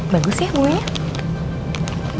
bagus ya bunganya